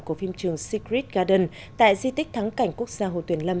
của phim trường secret garden tại di tích thắng cảnh quốc gia hồ tuyền lâm